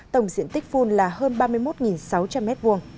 tổng diện tích phun là hơn ba mươi một sáu trăm linh m hai